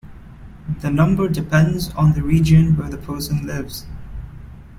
The number depends on the region where the person lives.